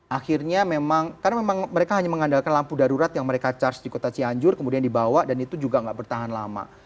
akhirnya memang karena memang mereka hanya mengandalkan lampu darurat yang mereka charge di kota cianjur kemudian dibawa dan itu juga nggak bertahan lama